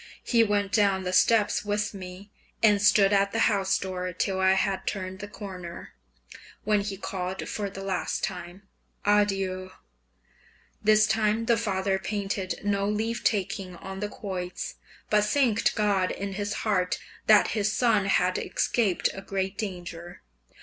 He went down the steps with me, and stood at the house door till I had turned the corner, when he called for the last time, "Adieu!" This time the father painted no leave taking on the quoits, but thanked God in his heart that his son had escaped a great danger.